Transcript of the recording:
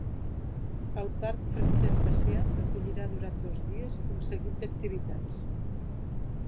El parc Francesc Macià acollirà durant dos dies un seguit d'activitats.